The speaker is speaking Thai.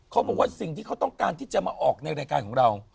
เขาบอกว่าสิ่งที่เขาต้องการที่จะมาออกในรายการของเรา